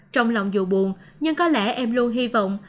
trong lòng dù buồn nhưng có lẽ em luôn hy vọng